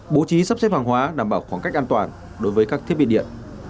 bố trí sắp xếp hàng hóa đảm bảo khoảng cách an toàn đối với các thiết bị điện